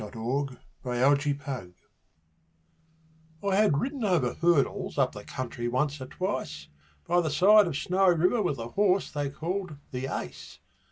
The Open Steeplechase I had ridden over hurdles up the country once or twice, By the side of Snowy River with a horse they called 'The Ace'.